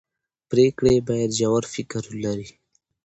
پرېکړې باید ژور فکر ولري